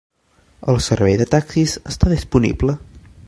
El servei de taxis està disponible.